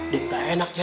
dita enak ya